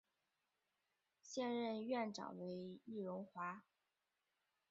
现任院长为易荣华。